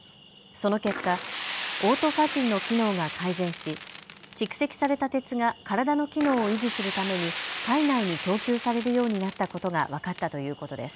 その結果、オートファジーの機能が改善し蓄積された鉄が体の機能を維持するために体内に供給されるようになったことが分かったということです。